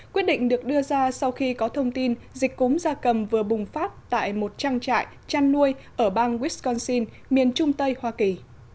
quyết định được đưa ra sau khi có thông tin dịch cúm da cầm vừa bùng phát tại một trang trại chăn nuôi ở bang wisconsin miền trung tây hoa kỳ